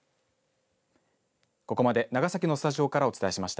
ここまで長崎のスタジオからお伝えしました。